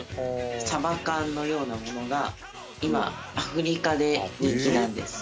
サバ缶のようなものが今アフリカで人気なんです。